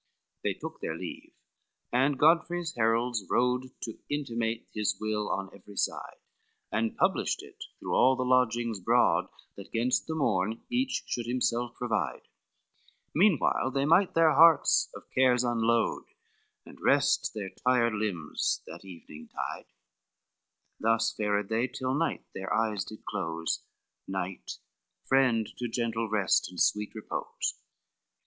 XVIII They took their leave, and Godfrey's heralds rode To intimate his will on every side, And published it through all the lodgings broad, That gainst the morn each should himself provide; Meanwhile they might their hearts of cares unload, And rest their tired limbs that eveningtide; Thus fared they till night their eyes did close, Night friend to gentle rest and sweet repose.